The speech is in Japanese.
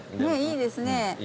いいですね。